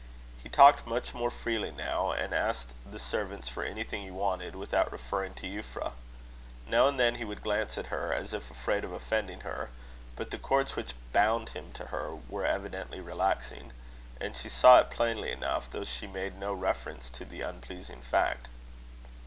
He talked much more freely now, and asked the servants for anything he wanted without referring to Euphra. Now and then he would glance at her, as if afraid of offending her; but the cords which bound him to her were evidently relaxing; and she saw it plainly enough, though she made no reference to the unpleasing fact.